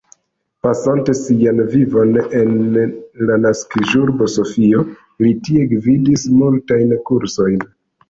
Pasante sian vivon en la naskiĝurbo Sofio, li tie gvidis multajn kursojn.